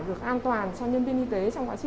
được an toàn cho nhân viên y tế trong quá trình